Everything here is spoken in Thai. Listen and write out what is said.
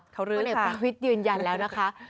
พลเอกประวิทย์ยืนยันแล้วนะคะ